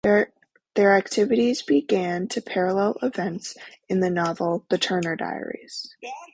Their activities began to parallel events in the novel "The Turner Diaries".